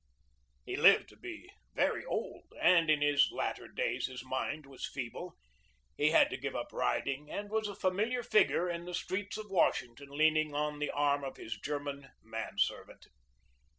He lived to be very old, and in his latter days his mind was feeble. He had to give up riding and was a familiar figure in the streets of Washington leaning on the arm of his German man servant.